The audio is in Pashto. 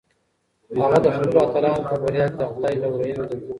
هغه د خپلو اتلانو په بریا کې د خدای لورینه لیده.